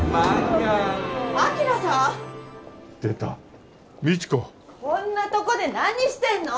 こんなとこで何してんの？